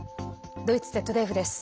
ドイツＺＤＦです。